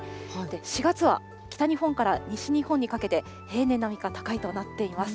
４月は北日本から西日本にかけて、平年並みか高いとなっています。